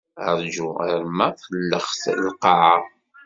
Rǧu arma tellext lqaɛa.